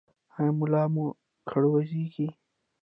ایا ملا مو کړوسیږي؟